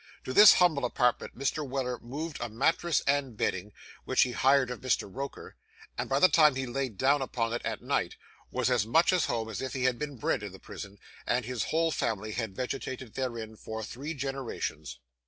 To this humble apartment Mr. Weller moved a mattress and bedding, which he hired of Mr. Roker; and, by the time he lay down upon it at night, was as much at home as if he had been bred in the prison, and his whole family had vegetated therein for three generations.